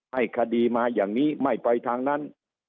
ให้คดีมาอย่างนี้ไม่ไปทางนั้น